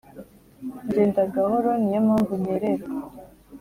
njyenda gahoro niyo mpamvu nkererwa